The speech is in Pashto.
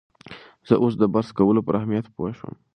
زه اوس د برس کولو پر اهمیت پوه شوم.